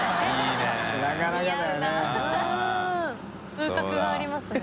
風格がありますね。